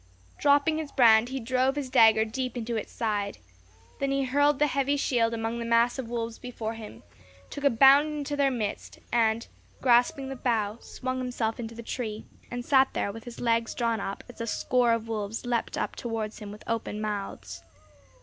Dropping his brand, he drove his dagger deep into its side. Then he hurled his heavy shield among the mass of wolves before him, took a bound into their midst, and grasping the bough, swung himself into the tree and sat there with his legs drawn up as a score of wolves leapt up towards him with open mouths.